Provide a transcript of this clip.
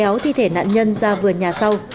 vào vườn nhà sau